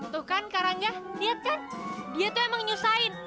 tuh kan karangnya liat kan dia tuh emang nyusahin